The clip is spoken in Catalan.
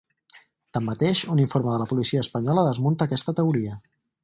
Tanmateix, un informe de la policia espanyola desmunta aquesta teoria.